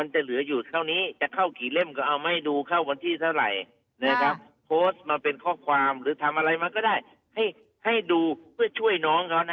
ทำความหรือทำอะไรมาก็ได้ให้ดูเพื่อช่วยน้องเขานะ